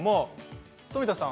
富田さん